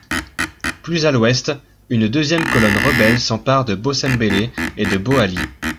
Plus à l'ouest, une deuxième colonne rebelle s'empare de Bossembélé et de Boali.